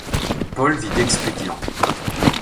Paul vit d'expédients.